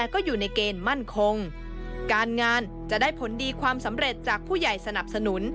ก็อยู่ในเกณฑ์มั่นคงการงานจะได้ผลดีความสำเร็จจากผู้ใหญ่สนับสนุน